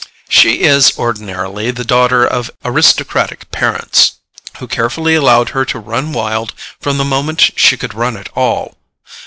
She is ordinarily the daughter of aristocratic parents, who carefully allowed her to run wild from the moment she could run at all.